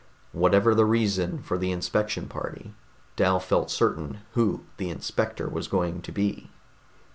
Whatever the reason for the inspection party, Dal felt certain who the inspector was going to be.